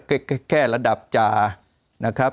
แค่แค่ระดับจ่า